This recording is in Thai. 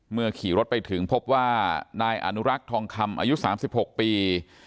ขี่รถไปถึงพบว่านายอนุรักษ์ทองคำอายุ๓๖ปี